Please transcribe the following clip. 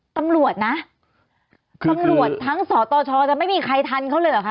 ตำรวจนะตำรวจทั้งสตชจะไม่มีใครทันเขาเลยเหรอคะ